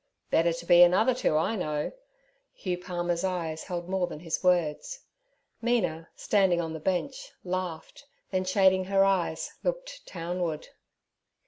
'Better to be another two I know.' Hugh Palmer's eyes held more than his words. Mina, standing on the bench, laughed, then, shading her eyes, looked townward.